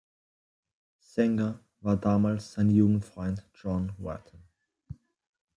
Sänger war damals sein Jugendfreund John Wetton.